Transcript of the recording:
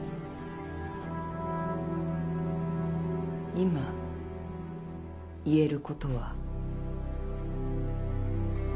今言えることは。